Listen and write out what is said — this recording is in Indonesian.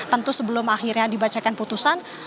tentu sebelum akhirnya dibacakan putusan